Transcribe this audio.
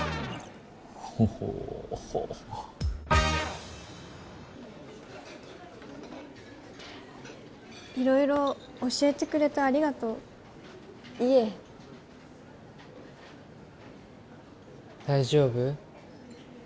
ほほう色々教えてくれてありがとういえ大丈夫？